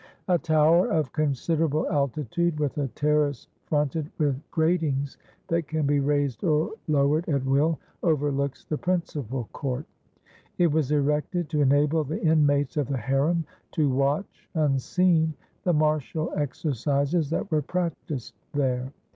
A tower of considerable altitude, with a terrace fronted with gratings that can be raised or lowered at will, overlooks the principal court. It was erected to enable the inmates of the harem to watch, unseen, the martial exercises that were practised there.